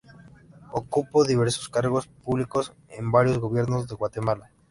Ocupó diversos cargos públicos en varios gobiernos de Guatemala.